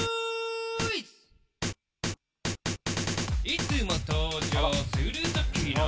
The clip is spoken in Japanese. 「いつも登場するときの」